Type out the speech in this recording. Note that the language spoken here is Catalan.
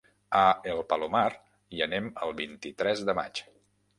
A el Palomar hi anem el vint-i-tres de maig.